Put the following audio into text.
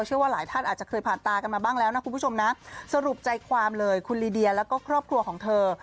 เชื่อว่าหลายท่านอาจจะเคยผ่านตากันมาบ้างแล้วนะคุณผู้ชมนะสรุปใจความเลยคุณลีเดียแล้วก็ครอบครัวของเธอ